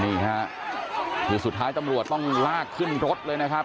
นี่ค่ะคือสุดท้ายตำรวจต้องลากขึ้นรถเลยนะครับ